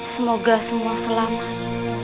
semoga semua selamat